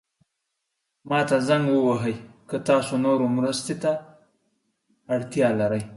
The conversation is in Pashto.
ما ته زنګ ووهئ که تاسو نورو مرستې ته اړتیا لرئ.